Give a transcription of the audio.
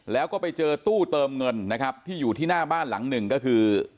แล้วก็ไปเจอตู้เติมเงินนะครับที่อยู่ที่หน้าบ้านหลังหนึ่งก็คือ